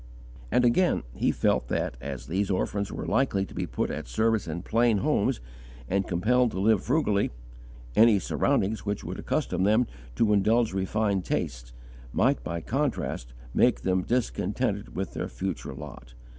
And again, he felt that, as these orphans were likely to be put at service in plain homes, and compelled to live frugally, any surroundings which would accustom them to indulge refined tastes, might by contrast make them discontented with their future lot.